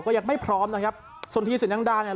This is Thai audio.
ก็ยังไม่พร้อมนะครับส่วนทีสินยังดาเนี่ย